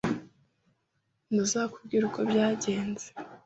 ntazakubwira uko byagenze.